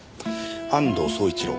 安藤総一郎。